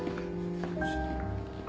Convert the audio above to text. ちょっと。